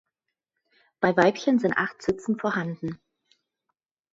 Bei Weibchen sind acht Zitzen vorhanden.